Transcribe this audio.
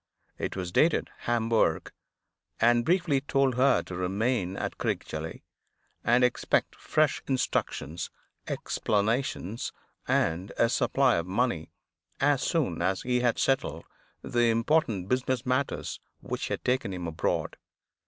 It was dated Hamburg, and briefly told her to remain at Crickgelly, and expect fresh instructions, explanations, and a supply of money, as soon as he had settled the important business matters which had taken him abroad.